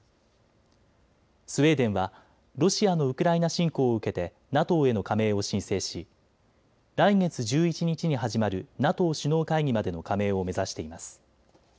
スウェーデンはロシアのウクライナ侵攻を受けてＮＡＴＯへの加盟を申請し来月１１日に始まるＮＡＴＯ首脳会議までの加盟を目指しています。